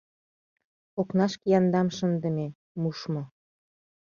Окнашке яндам шындыме, мушмо.